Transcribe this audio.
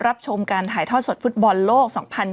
รับชมการถ่ายท่อสดฟุตบอลโลก